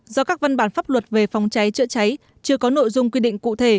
do các văn bản pháp luật về phòng cháy chữa cháy chưa có nội dung quy định cụ thể